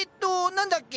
何だっけ？